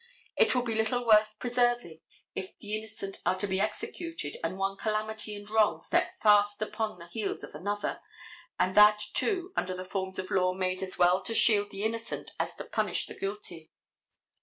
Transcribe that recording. It will be little worth preserving if the innocent are to be executed and one calamity and wrong step fast upon the heels of another, and that, too, under the forms of law made as well to shield the innocent as to punish the guilty.